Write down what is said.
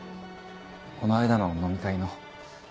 この間の飲み会の。